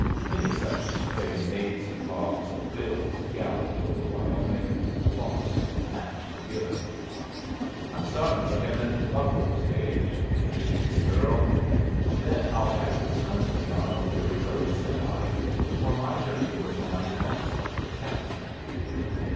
Many such stray Nates and Bobs and Bills galloped over Wyoming, lost and forgiven. "I'm starting for him in the Buffalo stage," continued the girl. "Then I'll have your company on a weary road," said I; for my journey was now to that part of the cattle country.